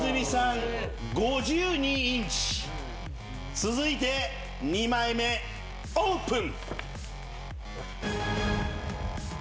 続いて２枚目オープン。